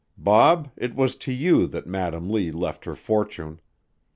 Bob, it was to you that Madam Lee left her fortune.